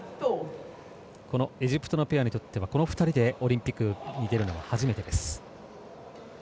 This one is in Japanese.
エジプトのペアこの２人でオリンピックに出るのは初めて。